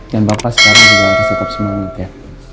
dan papa sekarang juga harus tetap semangat ya